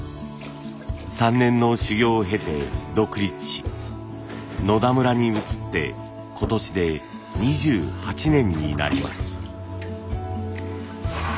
３年の修業を経て独立し野田村に移って今年で２８年になります。